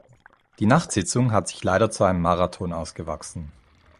Die Nachtsitzung hat sich leider zu einem Marathon ausgewachsen.